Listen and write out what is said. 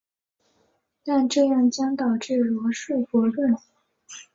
但这样将导致罗素悖论。